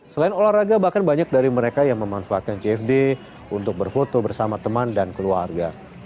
selain olahraga bahkan banyak dari mereka yang memanfaatkan jfd untuk berfoto bersama teman dan keluarga